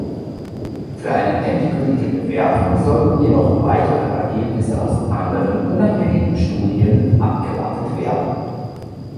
Für eine endgültige Bewertung sollten jedoch weitere Ergebnisse aus anderen unabhängigen Studie abgewartet werden.